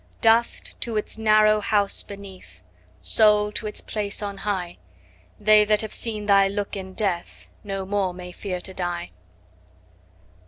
Dust, to its narrow house beneath! 5 Soul, to its place on high! They that have seen thy look in death No more may fear to die.